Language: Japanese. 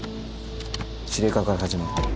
指令課から始まる。